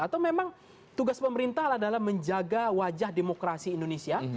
atau memang tugas pemerintah adalah menjaga wajah demokrasi indonesia